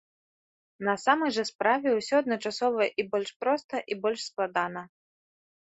На самай жа справе ўсё адначасова і больш проста, і больш складана.